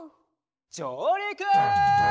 じょうりく！